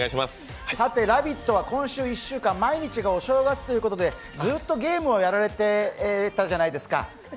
さて「ラヴィット！」は今週１週間、毎日がお正月ということでずっとゲームをやられてたじゃないですか。